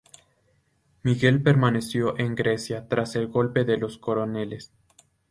Miguel permaneció en Grecia tras el Golpe de los Coroneles.